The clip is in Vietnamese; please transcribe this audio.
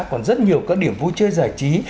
còn rất nhiều các điểm vui chơi giải trí